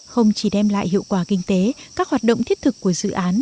không chỉ đem lại hiệu quả kinh tế các hoạt động thiết thực của dự án